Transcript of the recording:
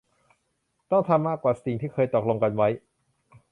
ต้องทำมากกว่าสิ่งที่เคยตกลงกันไว้